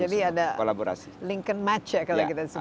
jadi ada link and match ya kalau kita sebut